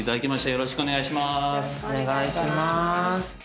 よろしくお願いします